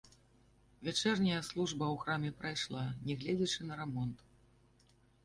Вячэрняя служба ў храме прайшла, нягледзячы на рамонт.